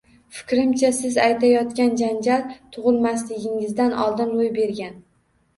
Fikrimcha, siz aytayotgan janjal tug`ilmasingizdan oldin ro`y bergan